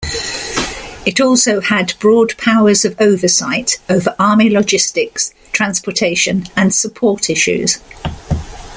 It also had broad powers of oversight over Army logistics, transportation, and support issues.